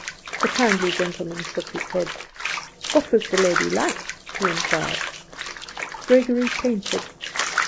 The kindly gentleman shook his head. What was the lady like, he inquired. Gregory painted.